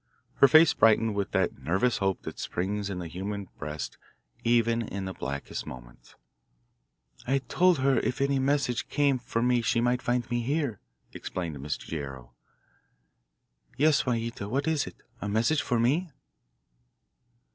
Her face brightened with that nervous hope that springs in the human breast even in the blackest moments. "I told her if any message came for me she might find me here," explained Miss Guerrero. "Yes, Juanita, what is it a message for me?"